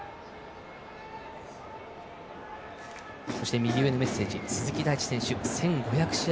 右上のメッセージ「鈴木大地選手１５００試合